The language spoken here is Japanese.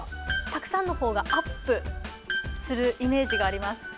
たくさんの方がアップするイメージがあります。